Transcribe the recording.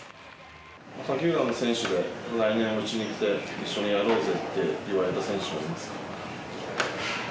他球団の選手で、来年うちに来て一緒にやろうぜって言われた選手はいるんですか？